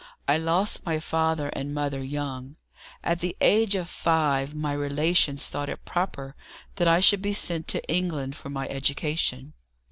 I lost my father and mother young. At the age of five my relations thought it proper that I should be sent to England for my education.